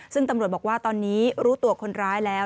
ซึ่งตำรวจบอกว่าตอนนี้รู้ตัวคนร้ายแล้ว